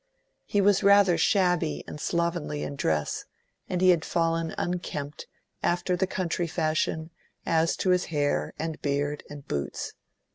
He was rather shabby and slovenly in dress, and he had fallen unkempt, after the country fashion, as to his hair and beard and boots.